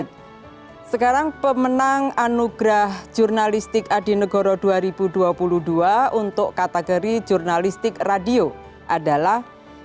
nah sekarang pemenang anugerah jurnalistik adi negoro dua ribu dua puluh dua untuk kategori jurnalistik radio adalah